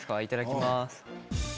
いただきます。